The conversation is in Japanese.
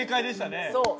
そう。